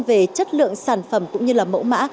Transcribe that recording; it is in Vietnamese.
về chất lượng sản phẩm cũng như là mẫu mã